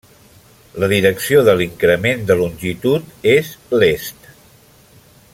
La direcció de l'increment de longitud és l'est.